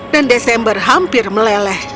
dan desember hampir meleleh